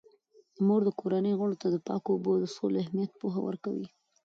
مور د کورنۍ غړو ته د پاکو اوبو د څښلو اهمیت پوهه ورکوي.